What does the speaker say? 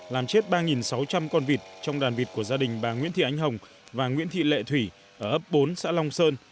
làm chết ba sáu trăm linh con vịt trong đàn vịt của gia đình bà nguyễn thị ánh hồng và nguyễn thị lệ thủy ở ấp bốn xã long sơn